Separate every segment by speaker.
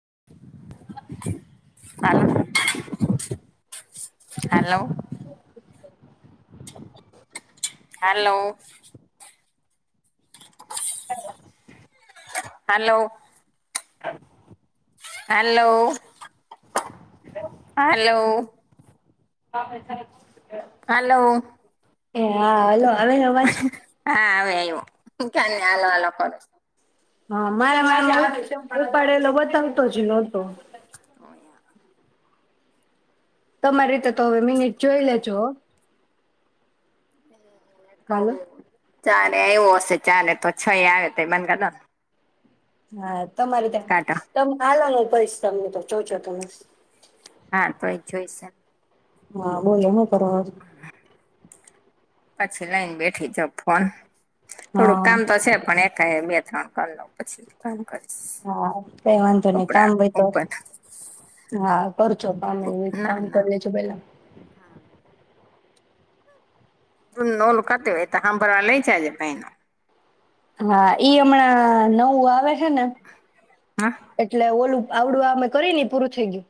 Speaker 1: [inaudible] [unintelligible] હાલો, hello. Hello. Hello. હાલો.
Speaker 2: [unintelligible]
Speaker 1: Hello.
Speaker 2: Hello. આવે અવાજ.
Speaker 1: હા હવે આયવો તું ક્યા હલો હલો કરો.
Speaker 2: હા મારા મા [unintelligible] ઉપ પડેલો બતાવતો જ નતો. તમારી રીતે તો હવે મિનિટ જોઈ લેજો.
Speaker 1: હ કવ.
Speaker 2: હાલો
Speaker 1: ચાલે વો શે ચાલે [unintelligible] બન
Speaker 2: આ તમારી ત્યાં તમ આલો ને હું પૈસા મળે તો જોજો તમે
Speaker 1: હા તો એ જોઈ છે.
Speaker 2: હા બોલ હુ. [inaudible]
Speaker 1: [unintelligible] પણ થોડુંક કામ તો છે પણ એક બે હ કર લ પછી ત
Speaker 2: હા કઈ વાંધો નઈ કામ હોય તો
Speaker 1: ઉપર
Speaker 2: જ કરજો [unintelligible]
Speaker 1: ના
Speaker 2: કામ
Speaker 1: ના
Speaker 2: કરી લેજો પેલા.
Speaker 1: નોલ કતે ત હભવા લ છે તે [unintelligible]
Speaker 2: હા ઈ હમણાં નવું આવે. હે ને
Speaker 1: હ
Speaker 2: એટલે ઓલું આવડું અમે કરી ને એ પૂરું થઈ ગયું.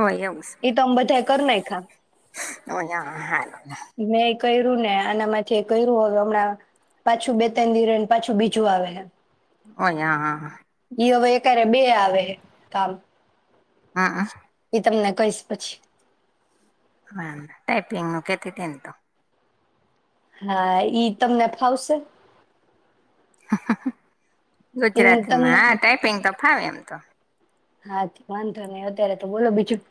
Speaker 1: હોય એવું
Speaker 2: એ તો આમ બધા કર નાયખા.
Speaker 1: [unintelligible]
Speaker 2: મે કર્યું ને આના માં થી કર્યું હવે હમણાં પાછું બે ત્રણ દિ રેને પાછું બીજું આવે.
Speaker 1: હોય હા હા હા.
Speaker 2: એ હવે અ્કારે બે આવે કામ.
Speaker 1: હા હા હમ
Speaker 2: એ તમ ને કઇસ પછી.
Speaker 1: હા ટાઈપિંગ નું કેતી ન તુ
Speaker 2: હા ઈ તમને ફાવશે. એ હું તમને
Speaker 1: ગુજરાતીમાં ટાઈપિંગ ત ફાવે એમ તો.
Speaker 2: હા વાંદો ને અત્યારે તો બોલો બીજું.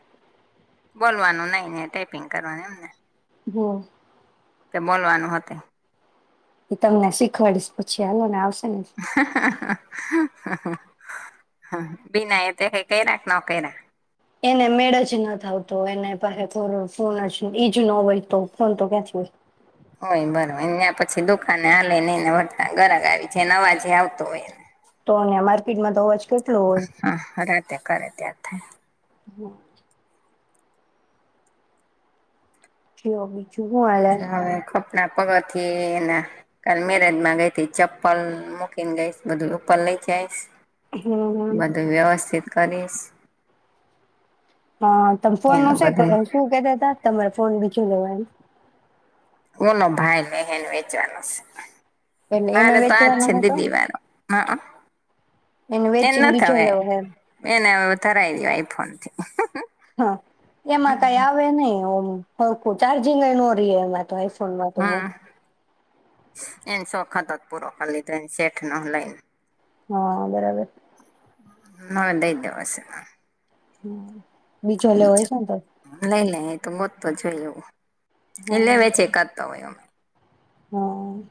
Speaker 1: બોલવાનું નઈ ને ટાઈપિંગ કરવાનું એમને?
Speaker 2: હ.
Speaker 1: કે બોલવાનું હોતેય?
Speaker 2: એ તમને શીખવાડીશ પછી હાલો ને આવસ
Speaker 1: હા બીનાએ તે કઈ કરયા કે નો કરયા?
Speaker 2: એને મેળ જ નથ આવતો એને પાહે તો ફોન જ ઈજ ન હોય તો ફોન તો કાથી હોય.
Speaker 1: હોય બરો એન ન્યા પછી દુકાને [inaudible] વતા ગરાક આવી જા નવાજ આવતું હોય.
Speaker 2: તો અયા માર્કેટમાં તો હોજ
Speaker 1: [unintelligible] રાતે કરે. ત્યાં થા.
Speaker 2: [unintelligible] છે [unintelligible]
Speaker 1: [unintelligible] કપડા પગર થી. ના કાલ મેરેજ માં ગઈ તી ચપ્પલ મૂકીને ગઈત બધું ઉપર લઈ જાઈશ.
Speaker 2: હમ
Speaker 1: બધું વ્યવસ્થિત કરીશ.
Speaker 2: હા તમે
Speaker 1: એનું
Speaker 2: ફોનનું
Speaker 1: બધું
Speaker 2: [unintelligible] શું કેતા હતા તમે ફોન બી [unintelligible]
Speaker 1: ઓનો ભાઈ લઈને વેચવાનો છે.
Speaker 2: એટલે એને
Speaker 1: મારે તો આજ
Speaker 2: વેચવાનો
Speaker 1: છે,
Speaker 2: હતો
Speaker 1: દીદી વારો [unintelligible]
Speaker 2: એને
Speaker 1: તેન
Speaker 2: વેચીને
Speaker 1: ના
Speaker 2: બીજો
Speaker 1: થાવે
Speaker 2: લેવો એમ
Speaker 1: એના કરાઈ લે આઈ ફોનથી.
Speaker 2: હા એમાં કઈ આવે નહીં ઓમ [unintelligible] ચારજિંગ એ નો રે એમા.
Speaker 1: હમ
Speaker 2: [unintelligible]
Speaker 1: એને સોખત જ પૂરો કરી લીધોને શેઠ નો લઈને.
Speaker 2: હા બરાબર.
Speaker 1: [unintelligible] દેવાશે.
Speaker 2: હમ. બીજો લેવો હોય છે, ને તો
Speaker 1: લઈ લે એ તો મોત. [unintelligible] એલેે વે છેે કરતો હોય.
Speaker 2: હમ્મ.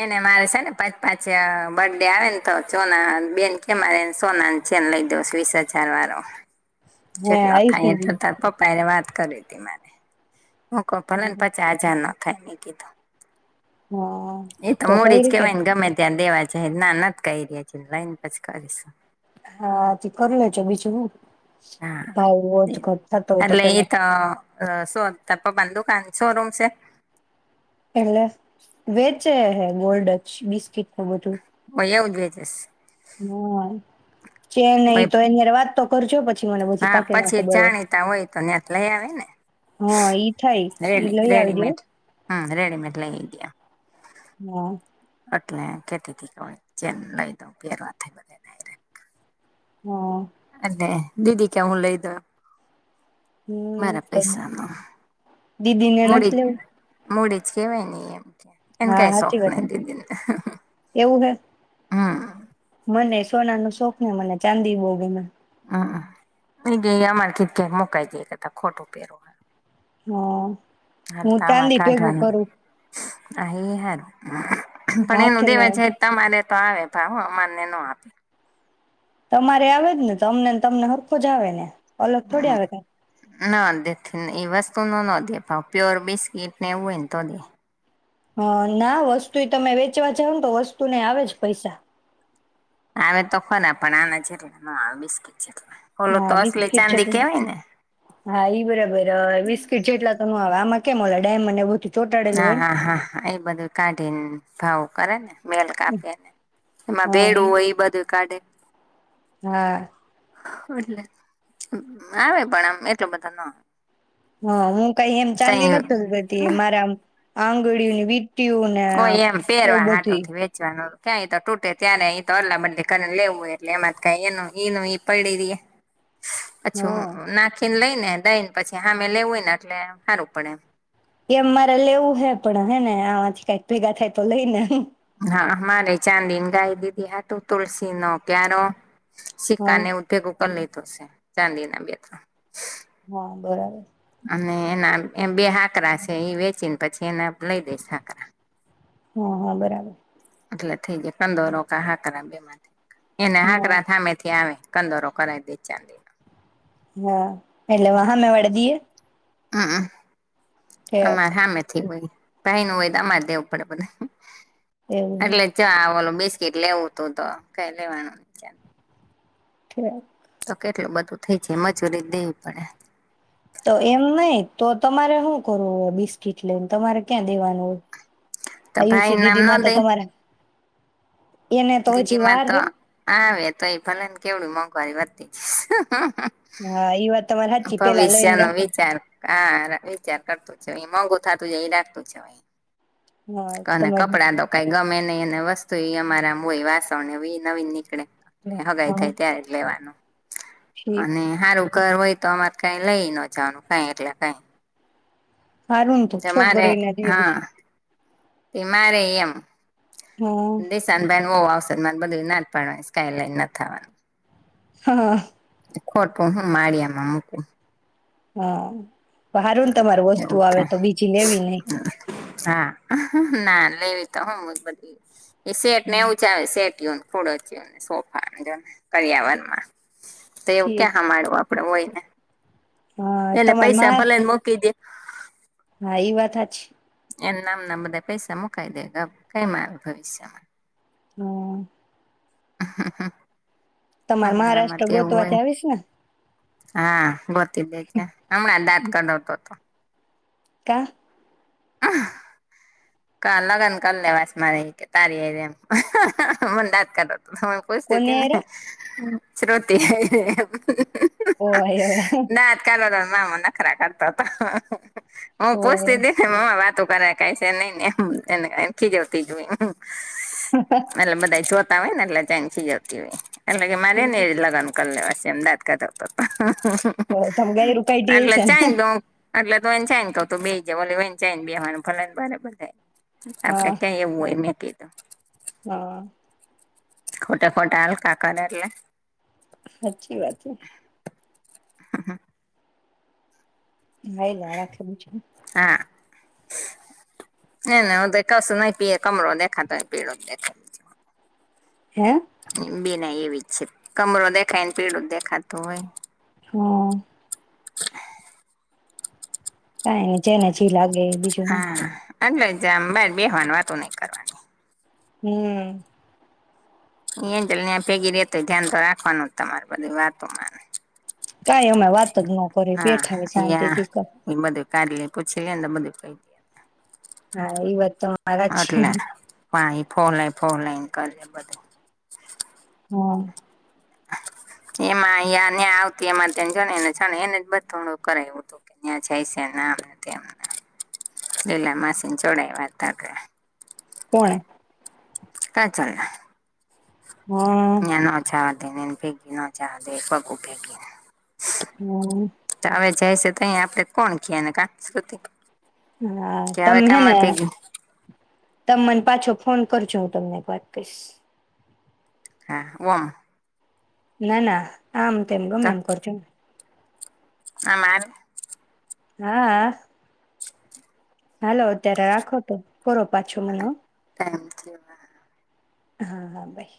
Speaker 1: એને મારે છે, ને પાંચ પાંચ આ બર્થ ડે આવેને તો સોના બેન કે મારેને સોના નો ચેન લઈ દો વીસ હજાર વાળો.
Speaker 2: હે
Speaker 1: કેટલો થાય,
Speaker 2: આઈશું
Speaker 1: એ
Speaker 2: જ.
Speaker 1: તો તારા પપ્પા એને વાત કરી હતી માને. [unintelligible] થાય ને કી તો.
Speaker 2: હા
Speaker 1: એ તો
Speaker 2: કઈ
Speaker 1: મોડી જ
Speaker 2: રીતે
Speaker 1: કહેવાય, ને ગમે ત્યારે દેવા છે, નાન કહી, [unintelligible] લઈને પછી કરીશ.
Speaker 2: હા હાથી કરી લેજો બીજું હું,
Speaker 1: હા
Speaker 2: ભાવે જ [unintelligible] હોય તો પેલા
Speaker 1: [unintelligible] બંધુકાન શોરૂમ છે.
Speaker 2: એટલે વેચે હે ગોલ્ડ જ બિસ્કીટનું બધું.
Speaker 1: હોય એવું જ વેચેસ
Speaker 2: હા ચેન્નાઈ
Speaker 1: હોય
Speaker 2: તો એની વાતો કરજો પ
Speaker 1: હા પછી જાણીતા હોય તો ને લઈ આવે ને
Speaker 2: હા ઈ થાય ઈ
Speaker 1: રેડી
Speaker 2: લઈ આવી દયો
Speaker 1: રેડીમેડ હમ રેડીમેડ લઇ ગ્યા.
Speaker 2: હા.
Speaker 1: એટલે કેતી થી ચેન લઈ દઉં પેરવા થાય બધાય ને
Speaker 2: હા.
Speaker 1: દીદી કે હું લઈ દયો
Speaker 2: હમ તો દીદીને નથ
Speaker 1: મૂડી
Speaker 2: લવું
Speaker 1: મૂડી જ કેહેવાય ને એમ. એન કઈ
Speaker 2: હાચી વાત હે.
Speaker 1: [unintelligible] દીદીને
Speaker 2: એવું હે
Speaker 1: હમ.
Speaker 2: મને સોના ન શોખ ને મને ચાંદી બો ગમે.
Speaker 1: હમ [unintelligible] ક્યા મુકાઈ જઈ કતાા ખોટું પહેરવાનું.
Speaker 2: હ હું ચાંદી ભેગું
Speaker 1: કાઢવાનું
Speaker 2: કરું.
Speaker 1: હા ઈ હારુ. પણ
Speaker 2: હાથ
Speaker 1: એનું
Speaker 2: ને
Speaker 1: દેવા જે તમારે તો આવે ભાવ અમારે ન્યા ન આપે.
Speaker 2: તમારે આવેજ ને તો અમનેને તમને હરખો જ આવે ને. અલગ થોડી આવે ત.
Speaker 1: ના દે ઈ વસ્તુ ન ન દે ભાવ પ્યોર બિસ્કીટને એવું હોયને તો દે.
Speaker 2: હ ના વસ્તુ ઈ તમે વેચવા જાવ ને તો વસ્તુ ને આવે જ પૈસા.
Speaker 1: આવે તો ખરા પણ આના જેટલા ન આવે બિસ્કીટ જેટલા ઓલો તો
Speaker 2: હા
Speaker 1: અસલી
Speaker 2: બિસ્કીટ
Speaker 1: ચાંદી
Speaker 2: જેટ
Speaker 1: કેવાય ને
Speaker 2: હા ઈ બરાબર હ બિસ્કીટ જેટલા તો ન હવે આમાં કેમ ઓલા ડાયમંડ એવું બધું ચોટાડેલું
Speaker 1: હા, હા, હા, હા એ બધું કાઢી ને ભાવ કરેને. મેલ કાપી ને એમાં
Speaker 2: હા ઈ
Speaker 1: ભેડું હોય બધું કાઢે.
Speaker 2: હા.
Speaker 1: એટલે આવે પણ આમ એટલું બધા ના આવે.
Speaker 2: હા હું કઈ એમ ચાંદી ન
Speaker 1: તઈ
Speaker 2: બધી એ મારામ આંગળીઓની વી
Speaker 1: હો એમ પેરવા હાટો થી વેચવાનું. ક્યાંય તો તૂટે ત્યારે એ તો અદલા બદલી કરીને લેવુંય એટલે એમાં ક એનું નું ઈ પડી રિયે. અચ્છું
Speaker 2: હા
Speaker 1: નાખીન લઈ ને દઈને પછી હામે લેવું હોય ને અટલે હારું પડે એમ.
Speaker 2: એમ મારે લેવું હે પણ હે ને આમાંથી કઈક ભેગા થાય તો લઈને.
Speaker 1: હા અ મારે ચાંદીને ગાય દીધી હાટુ તુલસી નો ક્યારો શિક્કાને ઉધોગો લઈ થશે ચાંદી ના બે ત્રણ.
Speaker 2: હા બરાબર.
Speaker 1: અને એના એ બે હાકરા છે એ વેચીને પછી એના લઈ દઈશ હાકરા.
Speaker 2: હા હા બરાબર.
Speaker 1: એટલે થઈ જાય કંદોરોકા હાથ ના બે માંથી એને
Speaker 2: હા
Speaker 1: હાકરા થામે થી આવે. કંદોરો કરય દઇએ તો ચાલે.
Speaker 2: હા એટલે વા હામે દીએ?
Speaker 1: હા હ.
Speaker 2: ઠેક
Speaker 1: અમાર હમેથી હોય. ભાઈ ન હોય તો અમારે દેવું પડે બધુંય
Speaker 2: એવું હે
Speaker 1: એટલે જ જો આ ઓલો સેકેટ લેવું હતું તો કઈ લેવાનું છે.
Speaker 2: હ
Speaker 1: તો કેટલું બધું થઈ જાય મજૂરીઈ જ દેવી પડે.
Speaker 2: તો એમ નહી તો તમારે હું કરવું બિસ્કીટ લઈને તમારે ક્યાં દેવાનું હોય?
Speaker 1: તો ભાઈ
Speaker 2: આયુષી
Speaker 1: નામ
Speaker 2: દીદી માં
Speaker 1: ન
Speaker 2: તો
Speaker 1: દઈ
Speaker 2: તમારે એને તો હજી વાર હૈ.
Speaker 1: ત્યે ભલે ને કેવી મોંઘવારી વધતી જશે.
Speaker 2: હા ઈ વાત તમારે સાચી પેલા લઈને
Speaker 1: ભવિષ્યનો
Speaker 2: રાખે
Speaker 1: વિચાર હા વિચાર કરતો જ છે મોંઘું થતું જાય એ રાખતું છે અહી
Speaker 2: હા
Speaker 1: અને
Speaker 2: તમારે
Speaker 1: કપડા તો કઈ ગમેને ને અને વસ્તુ એ અમારાય હોય વાસણ ને એ નવીન નીકળે. ને હગાઈ
Speaker 2: હા
Speaker 1: થાય ત્યારે જે લેવાનું.
Speaker 2: ઠીક
Speaker 1: અને હારું [unintelligible] હોય તો અમારે કઈ લઈએ નો જવાનું હોઈ કઈ એટલે કઈ
Speaker 2: હારું ને તોું છોકરી ને. [unintelligible]
Speaker 1: તેમાંરે એમ
Speaker 2: હા
Speaker 1: એ સનભ વ આવસદ મા બધું ના જ પાડય સ્કાયલાઈન ના થવાનું.
Speaker 2: હા.
Speaker 1: ખોટ હું માળિયામાં મૂકું.
Speaker 2: હા. પણ હારું તમારું વસ્તુ
Speaker 1: એવું
Speaker 2: આવે
Speaker 1: થાય
Speaker 2: તો બીજી લેવી નહ.
Speaker 1: લઈવી તો હમ બધી. [unintelligible] એ શેટ ને એવું ચ આવે શેટ. થોડોયોને સોફા કર્યાવરણમાં [unintelligible] તો એવું
Speaker 2: ઠીક
Speaker 1: ક્યા હામાડવા આપ. આપના હોયને.
Speaker 2: હા
Speaker 1: એટને
Speaker 2: તમારે
Speaker 1: પૈસા
Speaker 2: મા
Speaker 1: ભલાને મોકી દે.
Speaker 2: હ એ વાત હાચી છે.
Speaker 1: એના નામ ના બધા પૈસા મુકાઈ દે કઈ કામ આવે ભવિષ્યમાં.
Speaker 2: હમ.
Speaker 1: હ [unintelligible]
Speaker 2: તમારે મહારાષ્ટ્ર ગોતવા જ આવીશ ને.
Speaker 1: હા. ગોતી દેજે હમણાં દાંત કઢાવતો હતો.
Speaker 2: કા.
Speaker 1: હ [unintelligible] કા લગ્ન કરી લેવાસે મારી તારી એ માદ કર. હન કોસ્
Speaker 2: કોની
Speaker 1: તને
Speaker 2: હારે
Speaker 1: [unintelligible] શ્રુતિ.
Speaker 2: ઓ એવ.
Speaker 1: નામ નખરા કરતા હતા. હું
Speaker 2: ઓય
Speaker 1: પોછતી દે વાતો. બરા કઈ છે નહીં. એમખથી જતી જો [unintelligible] અલ બધ ચ [unintelligible] તા હોય નેલે ચંસી જતી હોય. એટલે મને એ લગનકરી લેવાય. અમદાવાદ કહતો હુતો.
Speaker 2: તમે ગાયરું
Speaker 1: [inaudible]
Speaker 2: કાઢી
Speaker 1: એટલે
Speaker 2: હશે ને
Speaker 1: ચાઈ તો. એટલે તો એને ચાઈને કઉ તો બેઈ જને ચ બેવાનું ભલે ને બરાબર. હ [unintelligible] આપડે
Speaker 2: હા
Speaker 1: ક્યાં એવું હોય ને. કેતો.
Speaker 2: હા.
Speaker 1: ખોટા ખોટા હલકા કરે એટલે.
Speaker 2: સાચી વાત છે.
Speaker 1: હ.
Speaker 2: હા એ લ રાખે છે.
Speaker 1: હા એ હું તો કશું નહી પી કમરો દેખાતો પીળો દેખા.
Speaker 2: હે
Speaker 1: બેના એવી જ છે કમરો દેખાય ને પીડું જ દેખાતું હોય.
Speaker 2: હા.
Speaker 1: [unintelligible]
Speaker 2: કઈ ની જેને જી લાગે એ
Speaker 1: હા. એટલે જામ બાર બેવાની વાતું નઈ કરવાની
Speaker 2: હમ્મ.
Speaker 1: અ જ ત્યા ભેગી રે તોય ધ્યાન તો રાખવાનું જ તમારે બધી વાતો માને
Speaker 2: કાઈ અમે વાતજ ન કરી બેઠા શાંતિથી
Speaker 1: કા લ પૂછી લે ને બધું કઈ
Speaker 2: હા એ વત તો મારા જ છે.
Speaker 1: હા એ ફોન લઈ ફોન લઈ કર બધું
Speaker 2: હા.
Speaker 1: એમાં અ ન્યાં આવતી એમાંને જાણેને જાણે એને બધ થોડું કરાવું હતું કે ત્યાં જાય છે આમ ને તેમ ને લીલા માસીને જોડાય વાતા
Speaker 2: કોણે
Speaker 1: કા ચાલના
Speaker 2: હા
Speaker 1: નો ઓછાવા ભેગ ના ચા દે ભગુ ભેગીને
Speaker 2: હમ
Speaker 1: તો હવે જાય છે. અહી આપણે કોણ કીએ ને કંસ્કૃતિક
Speaker 2: હા તમે હે ને ત મને પાછો ફોન કર છું હું તમને [unintelligible]
Speaker 1: હા વા
Speaker 2: ના ના આમ તેમ
Speaker 1: તો
Speaker 2: ગમે આમ કરજો
Speaker 1: આમાં
Speaker 2: હા. હાલો અત્યારે રાખો તો કરો પાછો મને
Speaker 1: આવે
Speaker 2: હા.
Speaker 1: ટાઈમ થયો
Speaker 2: હા હા ભાઈ.